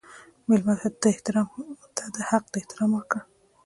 مېلمه ته د حق احترام ورکړه.